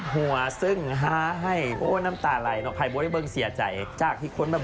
ถ้าขอแสดงไปจะทำได้ผลงานที่ดีที่สุด